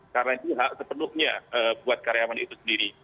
karena itu hak sepenuhnya buat karyawan itu sendiri